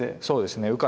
そうですね。